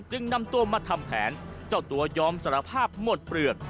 นำตัวมาทำแผนเจ้าตัวยอมสารภาพหมดเปลือก